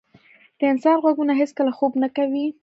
د انسان غوږونه هیڅکله خوب نه کوي.